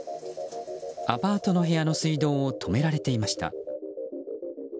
アパートの部屋の水道を止められていました。